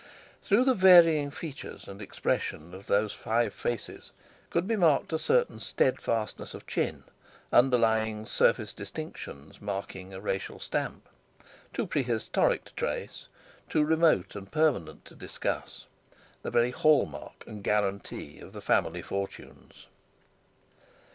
Through the varying features and expression of those five faces could be marked a certain steadfastness of chin, underlying surface distinctions, marking a racial stamp, too prehistoric to trace, too remote and permanent to discuss—the very hall mark and guarantee of the family fortunes.